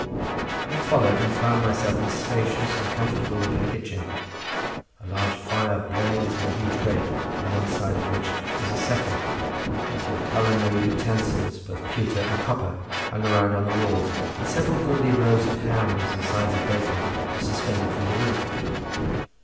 I followed, and found myself in a spacious and comfortable looking kitchen; a large fire blazed in a huge grate, on one side of which was a settle; plenty of culinary utensils, both pewter and copper, hung around on the walls, and several goodly rows of hams and sides of bacon were suspended from the roof.